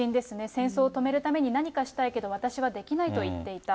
戦争を止めるために何かしたいけど私はできないと言っていた。